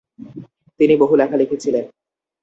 তিনি বহু লেখা লিখেছিলেন।